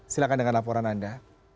silahkan dengan laporan anda